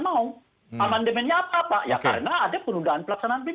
hari ini per hari ini